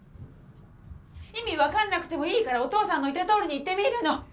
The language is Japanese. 意味分かんなくてもいいからお父さんの言ったとおりに言ってみるの。